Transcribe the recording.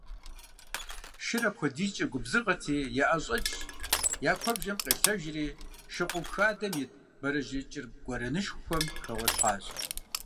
Шыр апхуэдизкӏэ губзыгъэти, яӏэщӏэкӏщ, я куэбжэм къелъэжри, шыгъуэгу хадэм ит бэрэжьей кӏыр гуэрэнышхуэм хэгъуэлъхьащ.